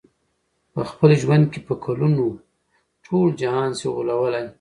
په خپل ژوند کي په کلونو، ټول جهان سې غولولای